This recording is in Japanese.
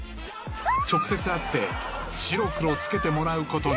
［直接会って白黒つけてもらうことに］